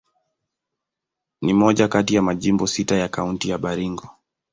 Ni moja kati ya majimbo sita ya Kaunti ya Baringo.